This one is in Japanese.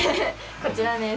こちらです。